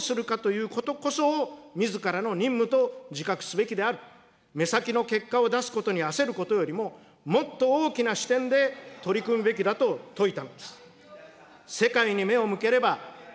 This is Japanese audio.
この国のことと、その未来をどうするかということこそをみずからの任務と自覚すべきである、目先の結果を出すことに焦ることよりも、もっと大きな視点で取り組むべきだと説いたのです。